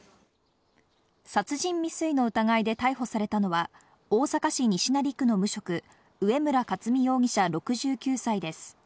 殺人未遂の疑いで逮捕されたのは、大阪市西成区の無職、上村勝美容疑者、６９歳です。